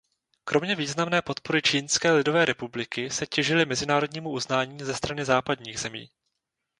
Kromě významné podpory Čínské lidové republiky se těšili mezinárodnímu uznání ze strany západních zemí.